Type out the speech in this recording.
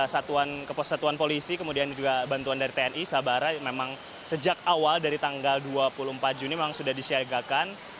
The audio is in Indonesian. satuan kepersatuan polisi kemudian juga bantuan dari tni sabara memang sejak awal dari tanggal dua puluh empat juni memang sudah disiagakan